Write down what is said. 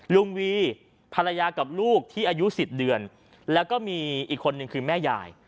วีภรรยากับลูกที่อายุ๑๐เดือนแล้วก็มีอีกคนนึงคือแม่ยาย